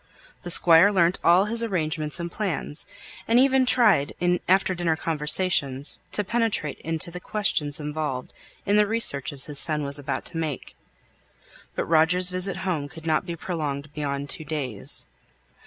The Squire learnt all his arrangements and plans, and even tried in after dinner conversations to penetrate into the questions involved in the researches his son was about to make. But Roger's visit home could not be prolonged beyond two days.